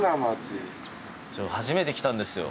初めて来たんですよ。